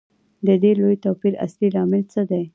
د دې لوی توپیر اصلي لامل څه دی